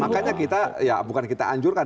makanya kita ya bukan kita anjurkan